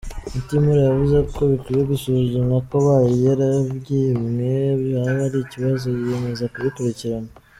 Mutimura yavuze ko bikwiye gusuzumwa ko abaye yarabyimwe byaba ari ikibazo, yiyemeza kubikurikirana.